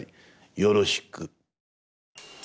よろしく。